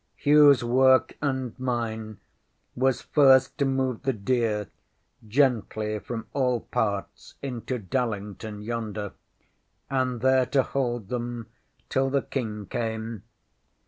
ŌĆśHughŌĆÖs work and mine was first to move the deer gently from all parts into Dallington yonder, and there to hold them till the King came.